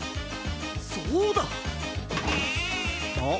そうだ！あ？